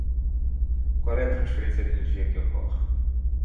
Qual é a transferência de energia que ocorre?